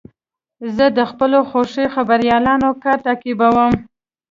زه د خپلو خوښې خبریالانو کار تعقیبوم.